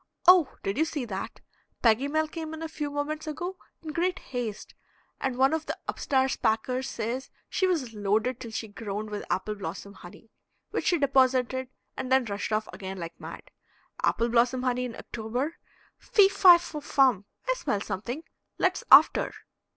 "Oh, did you see that? Peggy Mel came in a few moments ago in great haste, and one of the up stairs packers says she was loaded till she groaned with apple blossom honey which she deposited, and then rushed off again like mad. Apple blossom honey in October! Fee, fi, fo, fum! I smell something! Let's after."